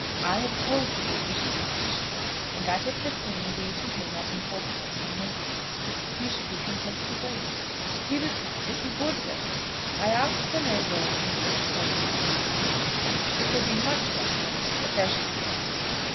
I have told him that he should be patient, and that if the thing be to him as important as he makes it, he should be content to wait. He replied that he would wait. I ask for no word from you at present on this subject. It will be much better that there should be no word.